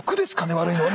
悪いのは。